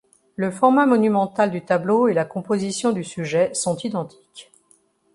Le format monumental du tableau et la composition du sujet sont identiques.